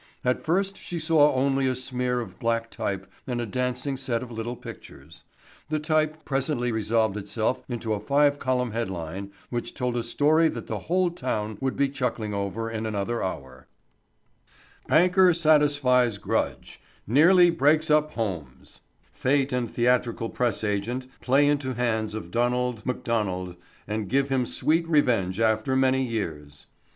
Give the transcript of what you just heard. At first she saw only a smear of black type and a dancing set of little pictures. The type presently resolved itself into a five column headline which told a story that the whole town would be chuckling over in another hour: BANKER SATISFIES GRUDGE; NEARLY BREAKS UP HOMES –––– Fate and Theatrical Press Agent Play Into Hands of Donald McDonald and Give Him Sweet Revenge After Many Years.